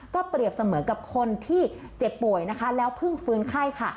เปรียบเสมอกับคนที่เจ็บป่วยนะคะแล้วเพิ่งฟื้นไข้ค่ะ